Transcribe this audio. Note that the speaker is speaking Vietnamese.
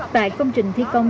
tại công trình thi công